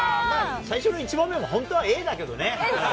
最初の１問目も、本当はＡだけどね。